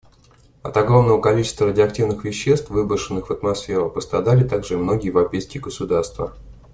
От огромного количества радиоактивных веществ, выброшенных в атмосферу, пострадали также и многие европейские государства.